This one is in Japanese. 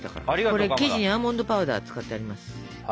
これ生地にアーモンドパウダー使ってあります。